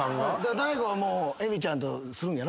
大悟はもう恵美ちゃんとするんやろ？